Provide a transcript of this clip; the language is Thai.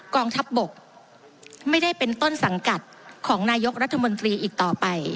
กองทัพบกไม่ได้เป็นต้นสังกัดของนายกรัฐมนตรีอีกต่อไป